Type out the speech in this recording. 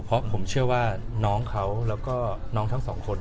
เพราะผมเชื่อว่าน้องเขาแล้วก็น้องทั้งสองคน